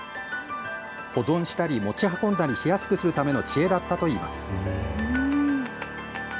保存したり持ち運んだりしやすくするための知恵だったといいます。